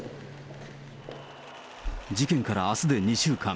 事件からあすで２週間。